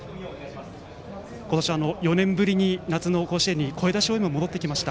今年４年ぶりの夏の甲子園に声出し応援も戻ってきました。